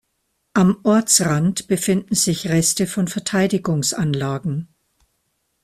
Am Ortsrand befinden sich Reste von Verteidigungsanlagen.